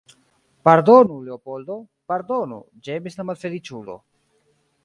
Pardonu, Leopoldo, pardonu, ĝemis la malfeliĉulo.